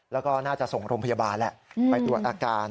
แล้วก็น่าจะส่งโรงพยาบาลแหละไปตรวจอาการ